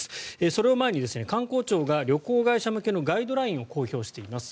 それを前に観光庁が旅行会社向けのガイドラインを公表しています。